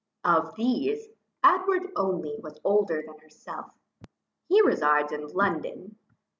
Of these, Edward only was older than herself; he resides in London.